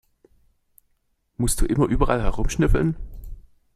Musst du immer überall herumschnüffeln?